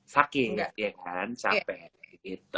saking ya kan capek gitu